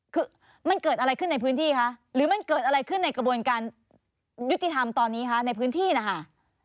คือมันเกิดอะไรขึ้นในพื้นที่คะหรือมันเกิดอะไรขึ้นในกระบวนการยุติธรรมตอนนี้คะในพื้นที่นะคะ